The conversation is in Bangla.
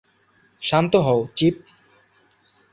শান্ত হও, চিপ।